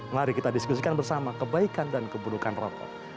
mari kita diskusikan bersama kebaikan dan keburukan rokok